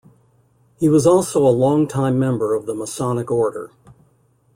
He was also a long-time member of the Masonic Order.